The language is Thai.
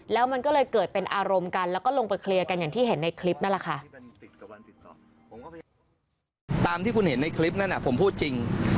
แล้วมันก็เลยเกิดเป็นอารมณ์กัน